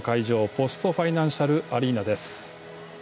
ポストファイナンスアリーナです。